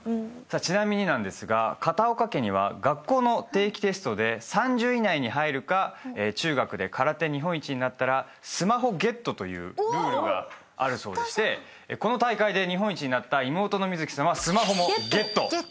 ちなみになんですが片岡家には学校の定期テストで３０位以内に入るか中学で空手日本一になったらスマホゲットというルールがあるそうでしてこの大会で日本一になった妹の美月さんはスマホもゲット。